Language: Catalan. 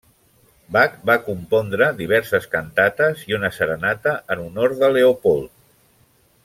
Bach va compondre diverses cantates i una serenata en honor de Leopold.